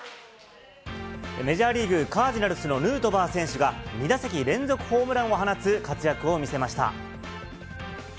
メジャーリーグ・カージナルスのヌートバー選手が、２打席連続ホームランを放つ活躍を見せました。